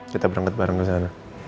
kita berangkat bareng kesana